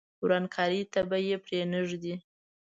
ورانکاري ته به پرې نه ږدي.